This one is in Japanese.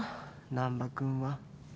難破君は。